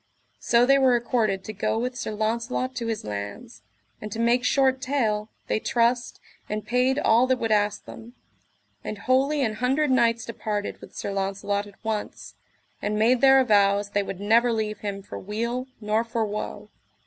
So they were accorded to go with Sir Launcelot to his lands; and to make short tale, they trussed, and paid all that would ask them; and wholly an hundred knights departed with Sir Launcelot at once, and made their avows they would never leave him for weal nor for woe.